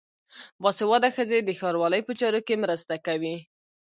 باسواده ښځې د ښاروالۍ په چارو کې مرسته کوي.